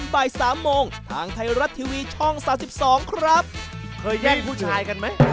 ช่ายกันมั้ย